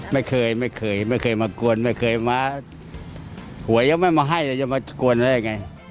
ไม่เคยไม่เคยไม่เคยมากวนไม่เคยมาหวยยังไม่มาให้เลยยังมากวนแล้วยังไง